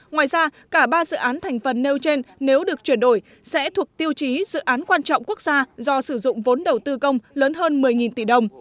ngoài ra cả ba dự án thành phần nêu trên nếu được chuyển đổi sẽ thuộc tiêu chí dự án quan trọng quốc gia do sử dụng vốn đầu tư công lớn hơn một mươi tỷ đồng